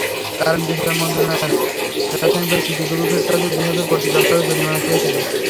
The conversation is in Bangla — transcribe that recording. কারণ বিচার মন্ত্রণালয় প্রাথমিকভাবে সিটিগ্রুপের কাছে দুই হাজার কোটি ডলারের জরিমানা চেয়েছিল।